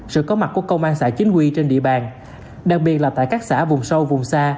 sự có mặt của công an xã chính quy trên địa bàn đặc biệt là tại các xã vùng sâu vùng xa